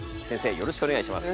よろしくお願いします。